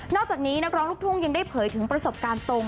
อกจากนี้นักร้องลูกทุ่งยังได้เผยถึงประสบการณ์ตรง